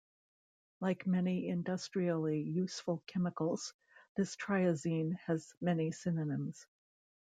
Like many industrially useful chemicals, this triazine has many synonyms.